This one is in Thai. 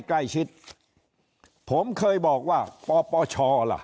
ใกล้ชิดผมเคยบอกว่าปปชล่ะ